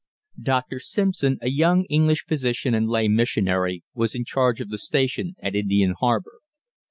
Dr. Simpson, a young English physician and lay missionary, was in charge of the station at Indian Harbour.